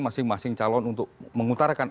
masing masing calon untuk mengutarakan